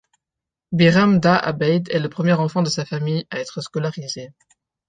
Biram Dah Abeid est le premier enfant de sa famille à être scolarisé.